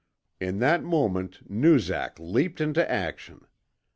In that moment Noozak leapt into action.